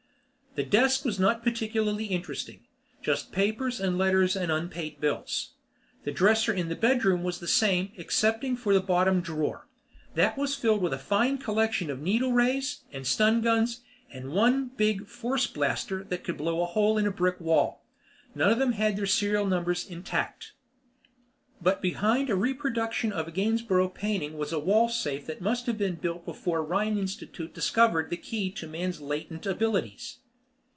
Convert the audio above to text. The desk was not particularly interesting. Just papers and letters and unpaid bills. The dresser in the bedroom was the same, excepting for the bottom drawer. That was filled with a fine collection of needle rays and stunguns and one big force blaster that could blow a hole in a brick wall. None of them had their serial numbers intact. But behind a reproduction of a Gainsborough painting was a wall safe that must have been built before Rhine Institute discovered the key to man's latent abilities.